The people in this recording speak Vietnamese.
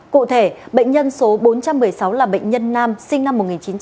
cụ thể bệnh nhân số bốn trăm một mươi sáu là bệnh nhân nam sinh năm một nghìn chín trăm tám mươi